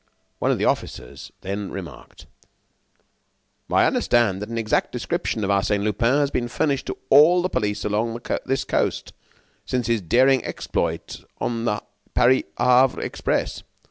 One of the officers then remarked: "I understand that an exact description of Arsène Lupin has been furnished to all the police along this coast since his daring exploit on the Paris Havre express."